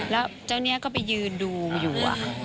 แล้วเจ้าเนี่ยก็ไปยืนดูอยู่